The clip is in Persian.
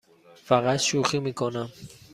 فقط شوخی می کنم.